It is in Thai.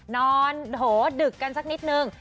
นอนโหดึกกันสักนิดนึง